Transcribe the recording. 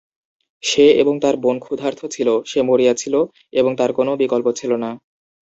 সে এবং তার বোন ক্ষুধার্ত ছিল, সে মরিয়া ছিল, এবং তার কোনও বিকল্প ছিল না।